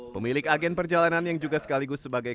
pemilik agen perjalanan yang juga sekaligus sebagai